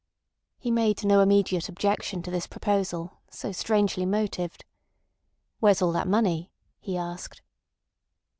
He made no immediate objection to this proposal, so strangely motived. "Where's all that money?" he asked.